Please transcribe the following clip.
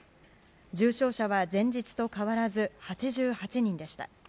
重症者は前日と変わらず８８人でした。